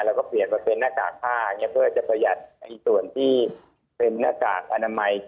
แล้วก็เปลี่ยนมาเป็นหน้ากากผ้าอย่างเงี้ยเพื่อจะประหยัดในส่วนที่เป็นหน้ากากอาณาไมค์